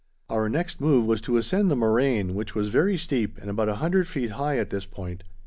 Our next move was to ascend the moraine, which was very steep and about a hundred feet high at this point.